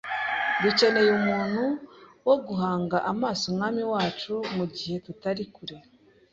Dukeneye umuntu wo guhanga amaso umwana wacu mugihe tutari kure.